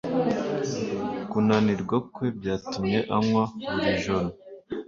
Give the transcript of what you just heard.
Kunanirwa kwe byatumye anywa buri joro.